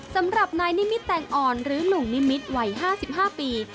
สำหรับนายนิมิตแตงอ่อนหรือหนุ่มนิมิตรวัย๕๕ปี